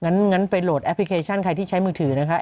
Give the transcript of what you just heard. งั้นไปโหลดแอปพลิเคชันใครที่ใช้มือถือนะคะ